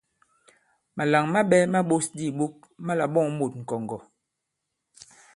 Màlàŋ maɓɛ̄ ma ɓōs di ìɓok ma là-ɓɔ᷇ŋ mût ŋ̀kɔ̀ŋgɔ̀.